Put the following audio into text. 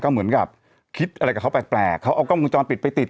เหมือนกับคิดอะไรกับเขาแปลกเขาเอากล้องวงจรปิดไปติด